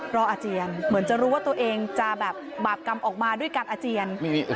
อาเจียนเหมือนจะรู้ว่าตัวเองจะแบบบาปกรรมออกมาด้วยการอาเจียน